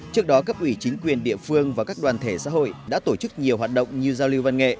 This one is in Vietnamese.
trước đó cấp ủy chính quyền địa phương và các đoàn thể xã hội đã tổ chức nhiều hoạt động như giao lưu văn nghệ